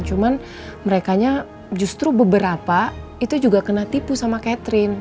cuma merekanya justru beberapa itu juga kena tipu sama catherine